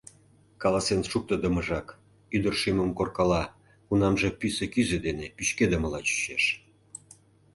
Каласен шуктыдымыжак ӱдыр шӱмым коркала, кунамже пӱсӧ кӱзӧ дене пӱчкедымыла чучеш.